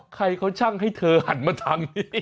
ใครเขาช่างให้เธอหันมาทางนี้